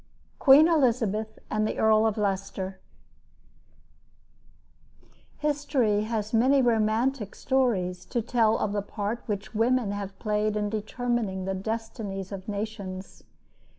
QUEEN ELIZABETH AND THE EARL OF LEICESTER History has many romantic stories to tell of the part which women have played in determining the destinies of nations.